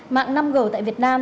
mạng năm g tại việt nam